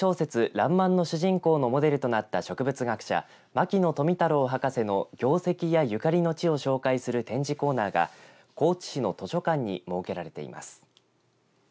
らんまんの主人公のモデルとなった植物学者牧野富太郎博士の業績やゆかりの地を紹介する展示コーナーが高知市の図書館に設けられています。